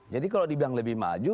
jadi kalau dibilang lebih maju